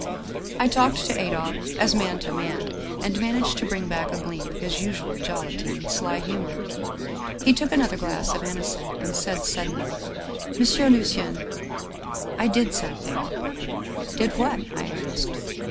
" I talked to Adolphe as man to man, and managed to bring back a gleam of his usual jollity and sly humor. He took another glass of anisette, and said suddenly :"' M. Lucien I did something ' "'Did what?' I asked.